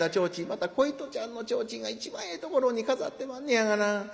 また小糸ちゃんの提灯が一番ええところに飾ってまんねやがな。